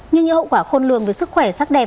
nhưng những hậu quả khôn lường về sức khỏe sắc đẹp